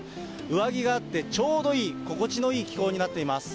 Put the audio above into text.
上着があってちょうどいい、心地のいい気候になっています。